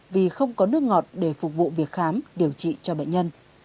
vì không có nước ngọt để phục vụ việc khám điều trị cho bệnh nhân